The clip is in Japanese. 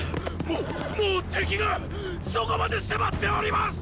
もっもう敵がっそこまで迫っております！